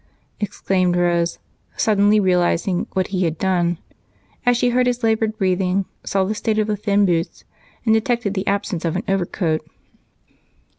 exclaimed Rose, suddenly realizing what he had done as she heard his labored breathing, saw the state of the thin boots, and detected the absence of an overcoat.